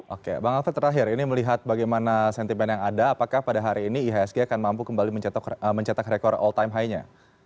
oke bang alfred terakhir ini melihat bagaimana sentimen yang ada apakah pada hari ini ihsg akan mampu kembali mencetak rekor all time high nya